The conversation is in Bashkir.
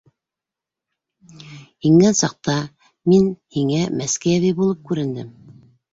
Ингән саҡта мин һиңә мәскәй әбей булып күрендем.